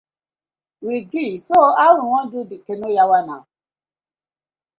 We gree, so how we wan do de canoe yawa naw?